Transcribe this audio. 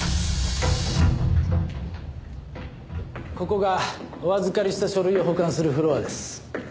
ここがお預かりした書類を保管するフロアです。